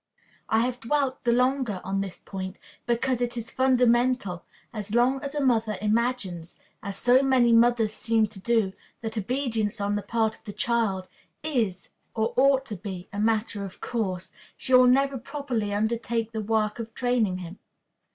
I have dwelt the longer on this point because it is fundamental As long as a mother imagines, as so many mothers seem to do, that obedience on the part of the child is, or ought to be, a matter of course, she will never properly undertake the work of training him.